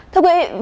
thưa quý vị